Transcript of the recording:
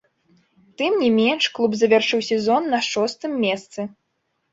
Тым не менш, клуб завяршыў сезон на шостым месцы.